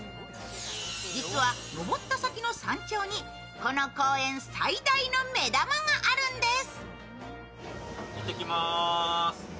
実は登った先の山頂にこの公園の最大の目玉があるんです。